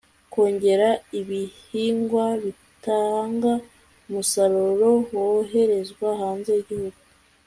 kongera ibihingwa bitanga umusaruro woherezwa hanze y'igihugu